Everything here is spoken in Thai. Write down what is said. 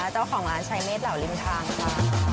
เจ้าของร้านใช้เมฆเหล่าริมทางค่ะ